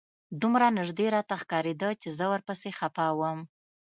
دومره نژدې راته ښکارېده چې زه ورپسې خپه وم.